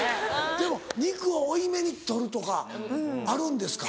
でも肉を多いめに取るとかあるんですか？